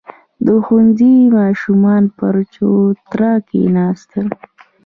• د ښوونځي ماشومان پر چوتره کښېناستل.